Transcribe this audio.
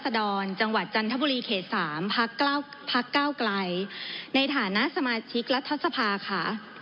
ที่แทนราษดรจังหวัดจันทบุรีเขต๓พคไก้ในฐานะสมาชิกรัฐทศพาค่ะ